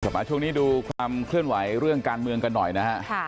มาช่วงนี้ดูความเคลื่อนไหวเรื่องการเมืองกันหน่อยนะฮะ